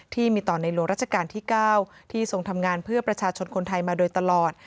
ที่มีต่อในหลวงราชการที่๙ที่ทรงทำงานเพื่อประชาชนคนไทยมาโดยตลอด